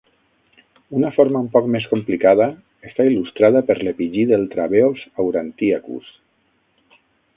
Una forma un poc més complicada està il·lustrada per l'epigí dels "trabeops aurantiacus".